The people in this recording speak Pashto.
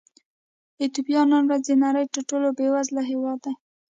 ایتوپیا نن ورځ د نړۍ تر ټولو بېوزله هېواد دی.